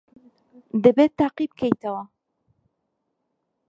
دەبێت تاقی بکەیتەوە.